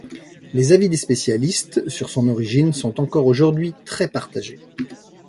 Les avis des spécialistes sur son origine sont encore aujourd'hui très partagés.